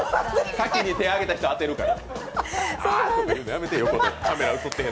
先に手挙げた人をあてるから。